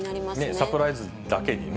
サプライズだけにね。